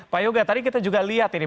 pak yoga tadi kita juga lihat ini